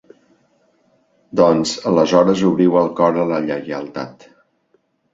Doncs, aleshores obriu el cor a la lleialtat